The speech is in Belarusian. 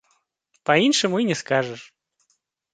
Па-іншаму і не скажаш!